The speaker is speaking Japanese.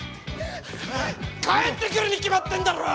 帰ってくるに決まってんだろ。